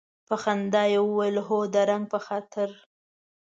په خندا یې وویل هو د رنګ په خاطر.